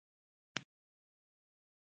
سهار د نوي کار پیل دی.